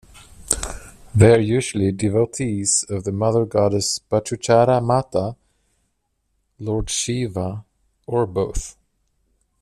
They are usually devotees of the mother goddess Bahuchara Mata, Lord Shiva, or both.